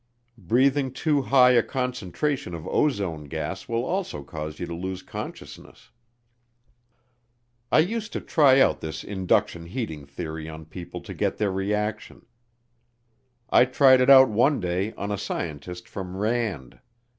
Breathing too high a concentration of ozone gas will also cause you to lose consciousness. I used to try out this induction heating theory on people to get their reaction. I tried it out one day on a scientist from Rand.